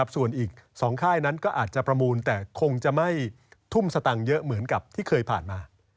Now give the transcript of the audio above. ส่วนอีก๒ค่ายนั้นก็อาจจะประมูลแต่คงจะไม่ทุ่มสตังค์เยอะเหมือนกับที่เคยผ่านมา